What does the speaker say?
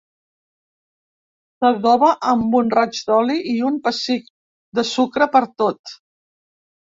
S'adoba amb un raig d'oli i un pessic de sucre per tot.